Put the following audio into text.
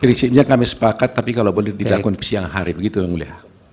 prinsipnya kami sepakat tapi kalau boleh dilakukan di siang hari begitu yang mulia